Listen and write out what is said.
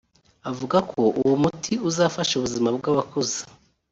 avuga ko uwo muti uzafasha ubuzima bw’abakuze